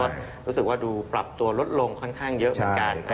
ก็รู้สึกว่าดูปรับตัวลดลงค่อนข้างเยอะเหมือนกัน